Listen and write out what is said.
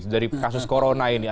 dari kasus corona ini